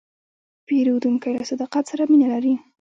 پیرودونکی له صداقت سره مینه لري.